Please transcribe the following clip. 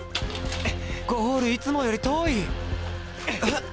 ゴールいつもより遠い！